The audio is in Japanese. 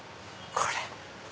これ。